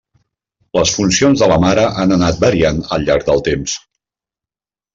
Les funcions de la mare han anat variant al llarg del temps.